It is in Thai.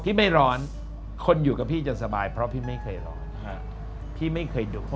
ไม่ร้อนคนอยู่กับพี่จะสบายเพราะพี่ไม่เคยร้อนพี่ไม่เคยดุ